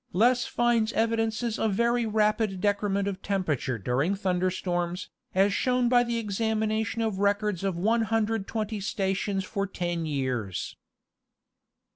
Less finds evidences of very rapid decrement of tempera ture during thunder storms, as shown by the examination of records of 120 stations for ten years.